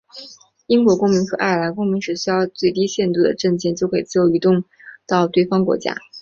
英国公民和爱尔兰公民只需要最低限度的证件就可以自由移动到对方国家。